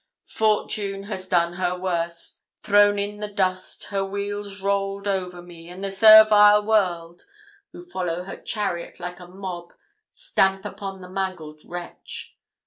Fortune has done her worst thrown in the dust, her wheels rolled over me; and the servile world, who follow her chariot like a mob, stamp upon the mangled wretch.